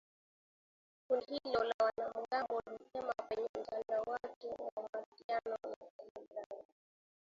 Kundi hilo la wanamgambo lilisema kwenye mtandao wake wa mawasiliano ya telegram